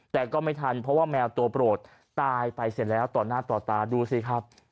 แต่ก็ไม่ทันเพราะว่าแมวตัวโปรดตายไปเสร็จแล้วต่อหน้าต่อตาดูสิครับ